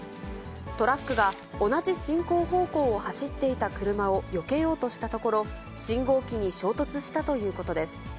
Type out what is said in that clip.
トラックが同じ進行方向を走っていた車をよけようとしたところ、信号機に衝突したということです。